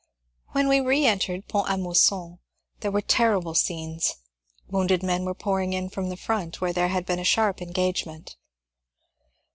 When we reentered Pont a Mousson there were terrible scenes. Wounded men were pouring in from the front, where there had been a sharp engagement.